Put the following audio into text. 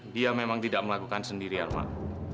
dia memang tidak melakukan sendiri almar